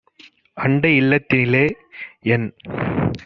"அண்டைஇல் லத்தினிலே - என்